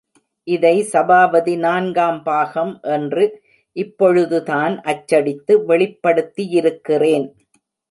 இதை சபாபதி நான்காம் பாகம் என்று இப்பொழுதுதான் அச்சடித்து வெளிப்படுத்தியிருக்கிறேன்.